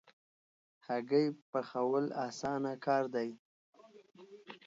هګۍ پخول اسانه کار دی